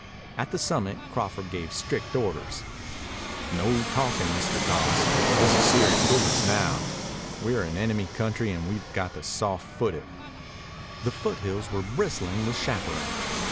At the summit Crawford gave strict orders. "No talkin', Mr. Thomas. This is serious business now. We're in enemy country and have got to soft foot it." The foothills were bristling with chaparral.